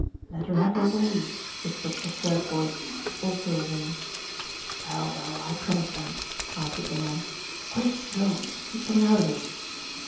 "Let her have her way," whispered a third voice, also a woman. "Well, well, I promise, then," answered the man. "Quick, go! He is coming out of it."